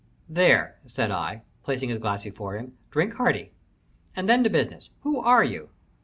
"There," said I, placing his glass before him. "Drink hearty, and then to business. Who are you?"